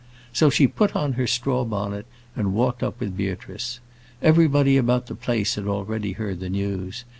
So she put on her straw bonnet and walked up with Beatrice. Everybody about the place had already heard the news.